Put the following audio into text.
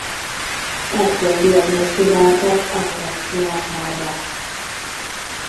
Ekkor diagnosztizáltak anorexiát nála.